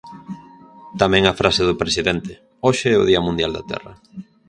Tamén a frase do presidente: Hoxe é o día mundial da terra.